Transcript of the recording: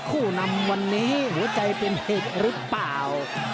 คู่นำวันนี้หัวใจเป็นผิดหรือเปล่า